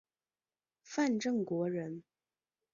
范正国人。